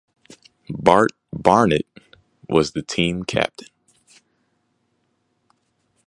Bart Barnett was the team captain.